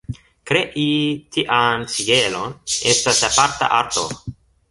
Krei tian sigelon estas aparta arto.